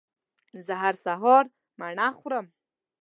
زه هر سهار مڼه خورم